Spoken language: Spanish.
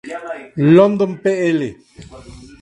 London; Pl.